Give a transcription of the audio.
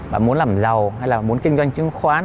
mà muốn làm giàu hay là muốn kinh doanh chứng khoán